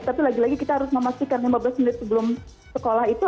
tapi lagi lagi kita harus memastikan lima belas menit sebelum sekolah itu